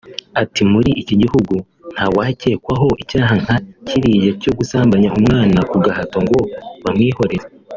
Ati ’Muri iki gihugu ntawakekwaho icyaha nka kiriya cyo gusambanya umwana ku gahato ngo bamwihorere